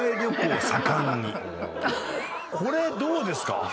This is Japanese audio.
これどうですか？